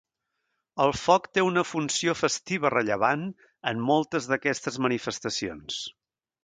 El foc té una funció festiva rellevant en moltes d'aquestes manifestacions.